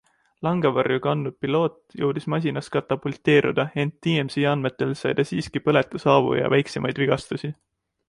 Langevarju kandnud piloot jõudis masinast katapulteeruda, ent TMZ andmetel sai ta siiski põletushaavu ja väiksemaid vigastusi.